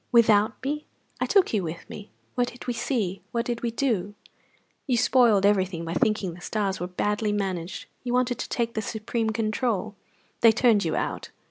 "Without me!" "I took you with me." "What did we see? What did we do?" "You spoiled everything by thinking the stars were badly managed. You wanted to take the supreme control. They turned you out."